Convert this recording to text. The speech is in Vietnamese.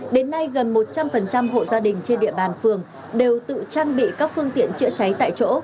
đến nay gần một trăm linh hộ gia đình trên địa bàn phường đều tự trang bị các phương tiện chữa cháy tại chỗ